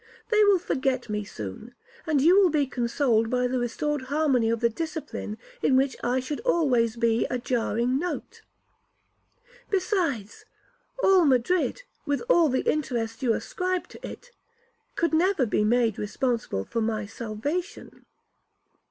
They will forget me soon, and you will be consoled by the restored harmony of the discipline, in which I should always be a jarring note. Besides, all Madrid, with all the interest you ascribe to it, could never be made responsible for my salvation.'